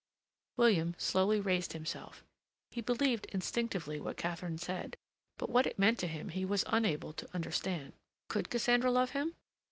William slowly raised himself. He believed instinctively what Katharine said, but what it meant to him he was unable to understand. Could Cassandra love him?